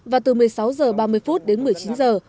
và từ một mươi sáu giờ ba mươi phút đến một mươi chín giờ